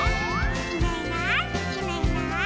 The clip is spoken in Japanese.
「いないいないいないいない」